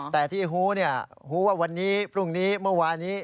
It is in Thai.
แต่ที่ฮู้ฮู้ว่าวันนี้พรุ่งนี้เมื่อวานี้